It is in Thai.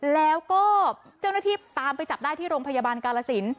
แล้วก็เจ้าหน้าที่ตามไปจับได้ที่โรงพยาบาลกาลสิน